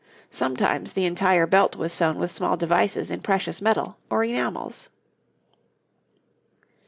Sometimes the entire belt was sewn with small devices in precious metal or enamels.